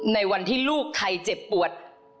ในวันที่ลูกใครเจ็บปวด